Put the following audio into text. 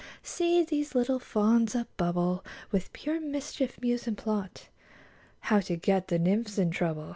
See 1 these little fauns, a bubble With pure mischief, muse and plot How to get the nymphs in trouble.